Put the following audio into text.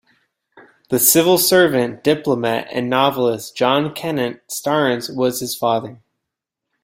The civil servant, diplomat, and novelist John Kennett Starnes was his father.